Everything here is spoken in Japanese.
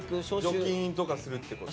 除菌とかするってこと？